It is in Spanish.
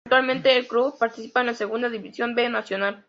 Actualmente el club participa en la Segunda División B Nacional.